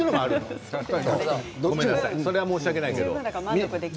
それは申し訳ないけれど。